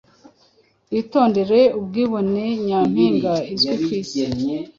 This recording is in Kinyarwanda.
Witondere ubwibone nyampinga uzwi kwisi